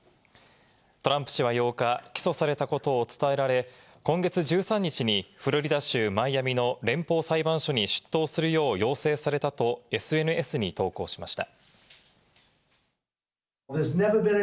トランプ氏は８日、起訴されたことを伝えられ、今月１３日にフロリダ州マイアミの連邦裁判所に出頭するよう要請されたとＳＮＳに投稿しました。